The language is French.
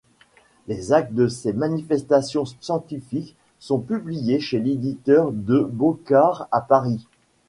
Les actes de ces manifestations scientifiques sont publiés chez l'éditeur De Boccard à Paris.